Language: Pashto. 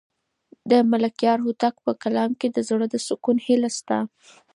د ملکیار هوتک په کلام کې د زړه د سکون هیله شته.